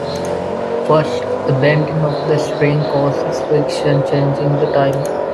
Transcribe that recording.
First, the bending of the string causes friction, changing the timing.